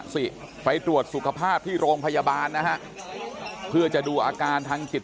สิไปตรวจสุขภาพที่โรงพยาบาลนะฮะเพื่อจะดูอาการทางจิต